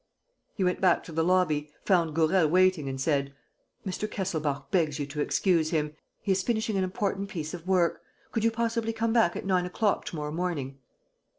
He went back to the lobby, found Gourel waiting, and said: "Mr. Kesselbach begs you to excuse him. He is finishing an important piece of work. Could you possibly come back at nine o'clock to morrow morning?"